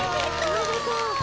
おめでとう！